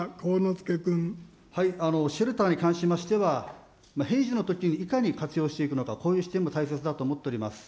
シェルターに関しましては、平時のときにいかに活用していくのか、こういう視点も大切だと思っております。